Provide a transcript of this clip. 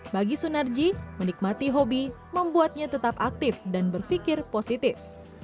bagi sunarji menikmati hobi membuatnya tetap aktif dan berpikir positif